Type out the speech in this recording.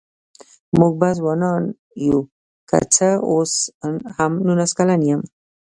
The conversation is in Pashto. مونږ به ځوانان يوو که څه اوس هم نوولس کلن يم